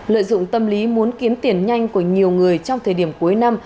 lợi dụng tâm lý muốn kiếm tiền nhanh của nhiều người trong thời điểm cuối năm